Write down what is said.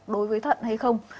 đối với thận hay không